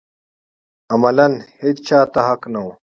عملاً هېچا ته حق نه و